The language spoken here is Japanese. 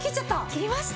切りました！